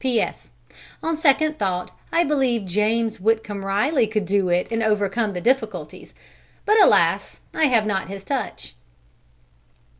P.S. On second thought I believe James Whitcomb Riley could do it and overcome the difficulties, but alas! I have not his touch!